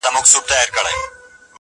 • چا راوستي وي وزګړي او چا مږونه,